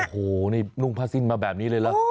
โอ้โหนุ่งผ้าสิ้นมาแบบนี้เลยละ